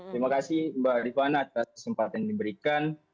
terima kasih mbak rifana atas kesempatan yang diberikan